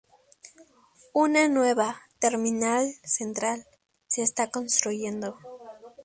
Una nueva "Terminal Central" se está construyendo.